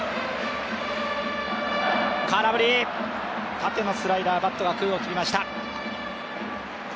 縦のスライダー、バットが空を切りました。